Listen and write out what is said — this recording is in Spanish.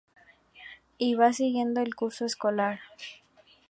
Y va siguiendo el curso escolar".